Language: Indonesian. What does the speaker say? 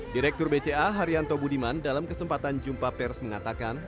direktur bca haryanto budiman dalam kesempatan jumpa pers mengatakan